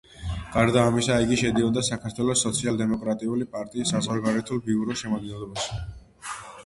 გარდა ამისა, იგი შედიოდა საქართველოს სოციალ-დემოკრატიული პარტიის საზღვარგარეთული ბიუროს შემადგენლობაში.